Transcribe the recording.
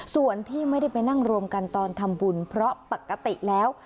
ส่วนที่ไม่ได้ไปนั่งรวมกันตอนทำบุญเพราะปกติแล้ว